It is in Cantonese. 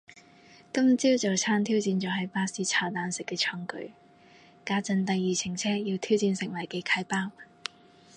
今朝早餐挑戰咗喺巴士炒蛋食嘅創舉，家陣第二程車要挑戰食埋幾楷包